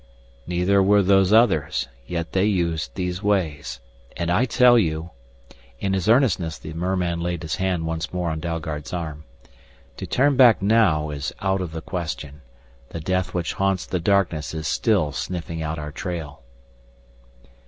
"Neither were Those Others, yet they used these ways. And I tell you" in his earnestness the merman laid his hand once more on Dalgard's arm "to turn back now is out of the question. The death which haunts the darkness is still sniffing out our trail."